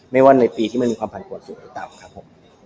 ไม่ว่าในปีที่มันมีความผลผลสูงหรือต่ำครับผม